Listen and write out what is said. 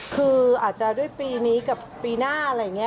คืออาจจะด้วยปีนี้กับปีหน้าอะไรอย่างนี้